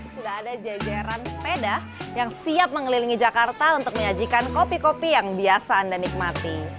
sudah ada jajaran sepeda yang siap mengelilingi jakarta untuk menyajikan kopi kopi yang biasa anda nikmati